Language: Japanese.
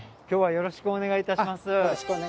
よろしくお願いします